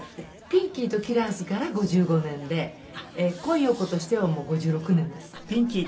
ピンキーとキラーズから５５年で今陽子としては５６年です。